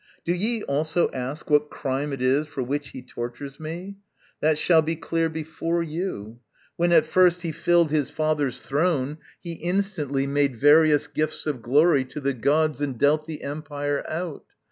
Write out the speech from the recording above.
Do ye also ask What crime it is for which he tortures me? That shall be clear before you. When at first He filled his father's throne, he instantly Made various gifts of glory to the gods And dealt the empire out.